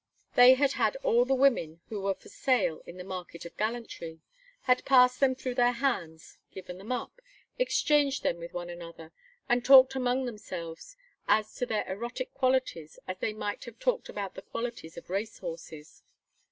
They had had all the women who were for sale in the market of gallantry, had passed them through their hands, given them up, exchanged them with one another, and talked among themselves as to their erotic qualities as they might have talked about the qualities of race horses.